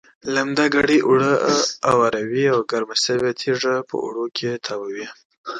لمده کړې اوړه اواروي او ګرمه شوې تیږه په اوړو کې تاووي.